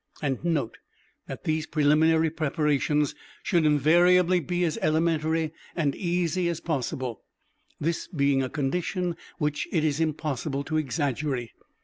And note that these preliminary preparations should invariably be as elementary and easy as possible, this being a condition which it is impossible to exaggerate.